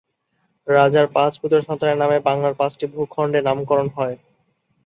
রাজার পাঁচ পুত্র সন্তানের নামে বাংলার পাঁচটি ভূখন্ডের নামকরণ হয়।